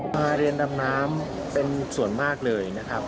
มาเรียนดำน้ำเป็นส่วนมากเลยนะครับ